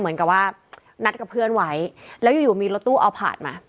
เหมือนกับว่านัดกับเพื่อนไว้แล้วอยู่อยู่มีรถตู้เอาผ่านมา